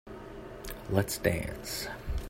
Let's dance.